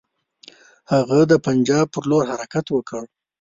هغه د پنجاب پر لور حرکت وکړ.